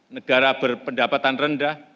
negara berpendapatan rendah